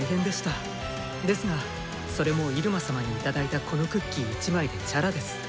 ですがそれもイルマ様に頂いたこのクッキー１枚でチャラです。